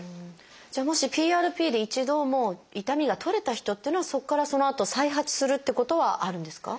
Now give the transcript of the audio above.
じゃあもしＰＲＰで一度痛みが取れた人っていうのはそこからそのあと再発するってことはあるんですか？